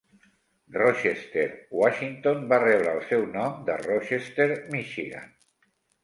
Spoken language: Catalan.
Rochester, Washington, va rebre el seu nom de Rochester, Michigan.